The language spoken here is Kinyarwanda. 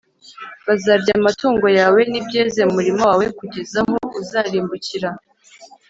bazarya amatungo yawe n’ibyeze mu murima wawe, kugeza aho uzarimbukira